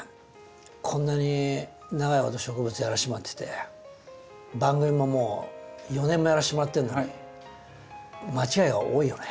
こんなに長いこと植物やらせてもらってて番組ももう４年もやらせてもらってるのに間違いが多いよね。